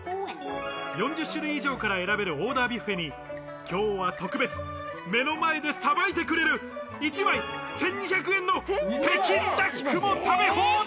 ４０種類以上から選べるオーダービュッフェに今日は特別、目の前でさばいてくれる１枚１２００円の北京ダックも食べ放題。